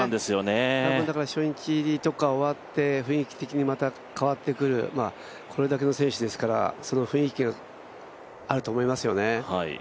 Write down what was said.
多分初日とか終わって雰囲気的にまた変わってくるこれだけの選手ですからその雰囲気があると思いますよね。